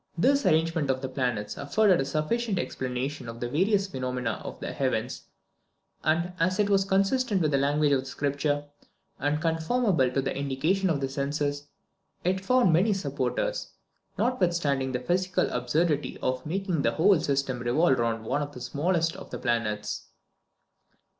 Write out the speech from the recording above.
This arrangement of the planets afforded a sufficient explanation of the various phenomena of the heavens; and as it was consistent with the language of Scripture, and conformable to the indications of the senses, it found many supporters, notwithstanding the physical absurdity of making the whole system revolve round one of the smallest of the planets.